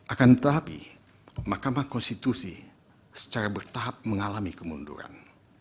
akan tetapi mahkamah konstitusi secara bertahap mengalami kemunduran